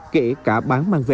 kể cả bán mang về